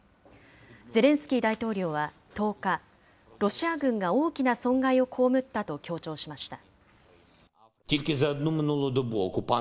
ゼレンスキー大統領は１０日、ロシア軍が大きな損害を被ったと強調しました。